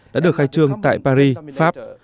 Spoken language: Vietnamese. đã được khai trương tại paris pháp